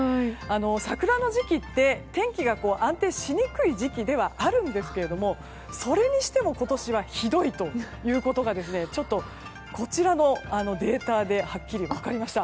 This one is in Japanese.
桜の時期って天気が安定しにくい時期ではあるんですけどもそれにしても今年はひどいということがちょっと、こちらのデータではっきり分かりました。